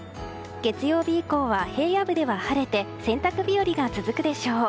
月曜日以降は平野部では晴れて洗濯日和が続くでしょう。